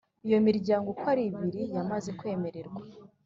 Iyo miryango uko ari ibiri yamaze kwemerwa